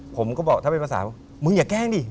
ผมก็บอกถ้าเป็นภาษาว่ามึงอย่าแกล้งดิ